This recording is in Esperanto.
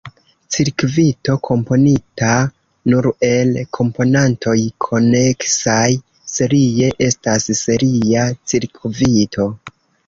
Cirkvito komponita nur el komponantoj koneksaj serie estas seria cirkvito.